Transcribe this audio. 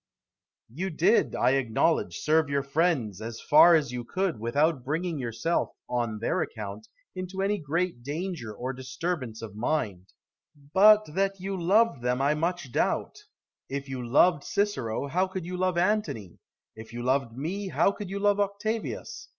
Brutus. You did, I acknowledge, serve your friends, as far as you could, without bringing yourself, on their account, into any great danger or disturbance of mind: but that you loved them I much doubt. If you loved Cicero, how could you love Antony? If you loved me, how could you love Octavius?